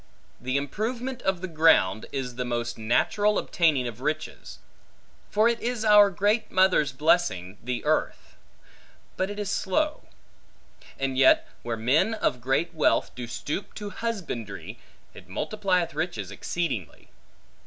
The improvement of the ground, is the most natural obtaining of riches; for it is our great mother's blessing, the earth's; but it is slow. And yet where men of great wealth do stoop to husbandry, it multiplieth riches exceedingly.